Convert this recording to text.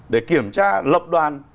để kiểm tra lập đoàn